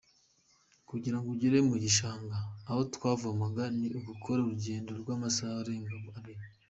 Kugira ngo ugere mu gishanga aho twavomaga ni ugukora urugendo rw’amasaha arenga abiri.